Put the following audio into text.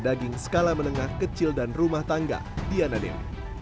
daging skala menengah kecil dan rumah tangga diana dewi